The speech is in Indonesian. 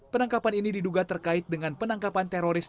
penangkapan ini diduga terkait dengan penangkapan teroris